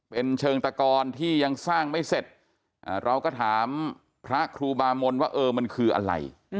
เป็นเชิงตะกอนที่ยังสร้างไม่เสร็จเราก็ถามพระครูบามนว่าเออมันคืออะไร